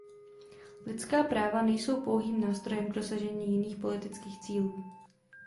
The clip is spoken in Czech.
Lidská práva nejsou pouhým nástrojem k dosažení jiných politických cílů.